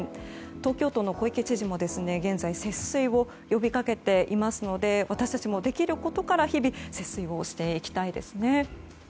東京都の小池知事も現在節水を呼びかけていますので私たちもできることから日々、節水していきたいですね。